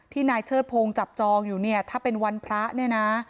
นายเชิดพงศ์จับจองอยู่เนี่ยถ้าเป็นวันพระเนี่ยนะ